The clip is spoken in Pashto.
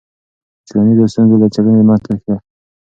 د ټولنیزو ستونزو له څېړنې مه تېښته.